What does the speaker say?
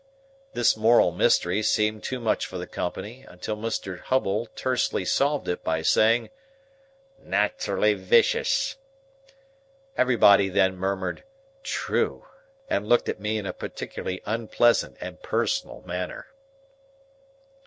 This moral mystery seemed too much for the company until Mr. Hubble tersely solved it by saying, "Naterally wicious." Everybody then murmured "True!" and looked at me in a particularly unpleasant and personal manner.